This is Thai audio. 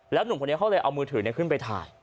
หนุ่มคนนี้เขาเลยเอามือถือขึ้นไปถ่าย